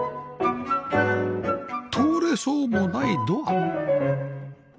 通れそうもないドア